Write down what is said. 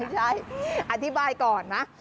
ใช่อธิบายก่อนนะ